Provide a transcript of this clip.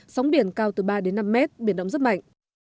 sóng biển cao từ ba đến năm mét biển động rất mạnh